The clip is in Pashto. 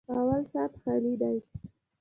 _اول سات خالي دی.